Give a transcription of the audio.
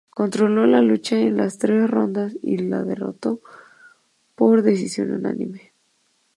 Controló la lucha en las tres rondas y le derrotó por decisión unánime.